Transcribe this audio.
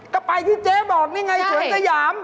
ก็ไปที่เจ๊บอกนี่ไงสวนสยาม